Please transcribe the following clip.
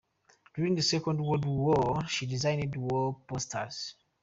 During the Second World War she designed war posters.